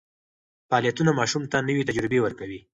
فعالیتونه ماشوم ته نوې تجربې ورکوي.